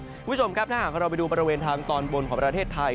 คุณผู้ชมครับถ้าหากเราไปดูบริเวณทางตอนบนของประเทศไทย